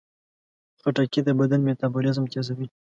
خټکی د بدن میتابولیزم تیزوي.